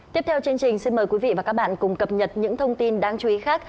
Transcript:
tiếp theo chương trình xin mời quý vị và các bạn cùng cập nhật những thông tin đáng chú ý khác